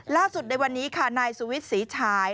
ล่าสุดในวันนี้ค่ะนายสุวิทธิ์ศรีฉาย